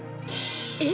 えっ？